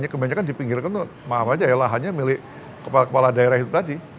kebanyakan dipinggirkan itu maaf aja ya lahannya milik kepala kepala daerah itu tadi